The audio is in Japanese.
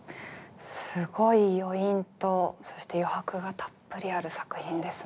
すごい余韻とそして余白がたっぷりある作品ですね。